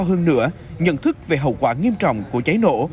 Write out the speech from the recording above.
để người dân nâng cao hơn nữa nhận thức về hậu quả nghiêm trọng của cháy nổ